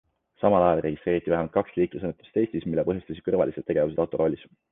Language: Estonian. Samal ajal registreeriti vähemalt kaks liiklusõnnetust Eestis, mille põhjustasid kõrvalised tegevused autoroolis.